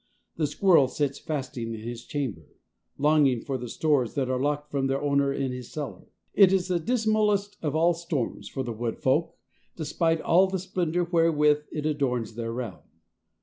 The squirrel sits fasting in his chamber, longing for the stores that are locked from their owner in his cellar. It is the dismalest of all storms for the wood folk, despite all the splendor wherewith it adorns their realm.